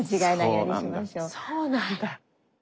そうなんだ。